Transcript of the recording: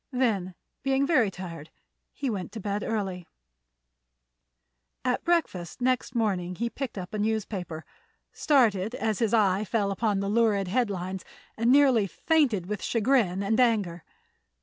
Then, being very tired, he went early to bed. At breakfast next morning he picked up a newspaper, started as his eye fell upon the lurid headlines, and nearly fainted with chagrin and anger.